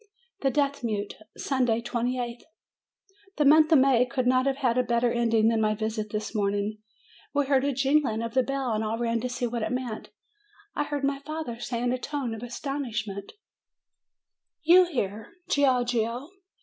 THE DEAF MUTE Sunday, 28th. The month of May could not have had a better ending than my visit this morning. We heard a jing ling of the bell, and all ran to see what it meant. I heard my father say in a tone of astonishment: "You here, Giorgio?"